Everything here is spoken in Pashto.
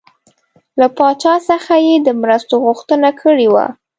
له پاچا څخه یې د مرستو غوښتنه کړې وه.